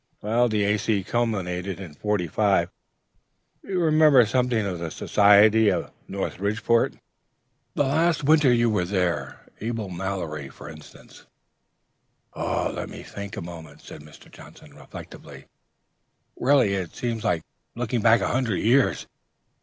C.... Well, the A.C. culminated in '45. You remember something of the society of Norridgeport, the last winter you were there? Abel Mallory, for instance?" "Let me think a moment," said Mr. Johnson, reflectively. "Really, it seems like looking back a hundred years.